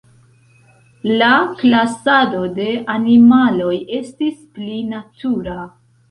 La klasado de animaloj estis pli natura.